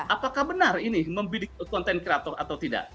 apakah benar ini mempunyai content creator atau tidak